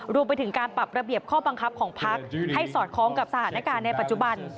รวมไปถึงการปรับระเบียบข้อบังคับของพักให้สอดคล้องกับสถานการณ์ในปัจจุบัน